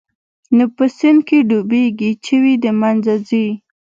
نو په سيند کښې ډوبېږي چوي د منځه ځي.